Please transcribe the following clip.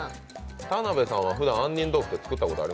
田辺さんはふだん、杏仁豆腐作ったことある？